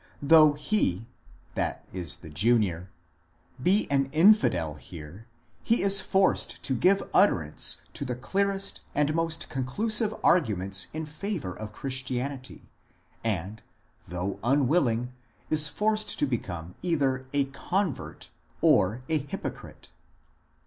Though he (the Junior) be an infidel here he is forced to give utterance to the clearest and most conclusive arguments in favour of Chris tianity, and — though unwilling — is forced to become either a convert or a hypocrite."